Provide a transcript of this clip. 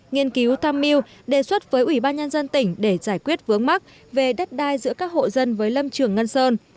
nghiên cứu tham mưu đề xuất với ủy ban nhân dân tỉnh để giải quyết vướng mắc về đất đai giữa các hộ dân với lâm trường ngân sơn